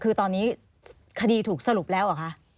คือตอนนี้คดีถูกสรุปแล้วเหรอคะ